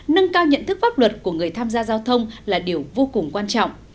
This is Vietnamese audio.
nâng cao nhận thức pháp luật của người tham gia giao thông là điều vô cùng quan trọng